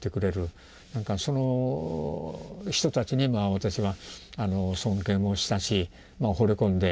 なんかその人たちに私は尊敬もしたしほれ込んで。